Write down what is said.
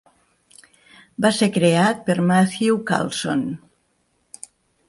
Va ser creat per Matthew Carlson.